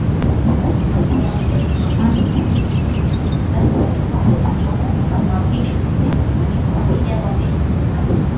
Kwa sababu ya uhamaji Wamasai ndio wazungumzaji wa Kiniloti wanaoishi kusini zaidi Pia wameelimika